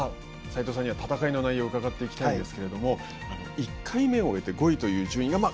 斎藤さんには戦いの内容を伺っていきたいですが１回目終えて、５位という順位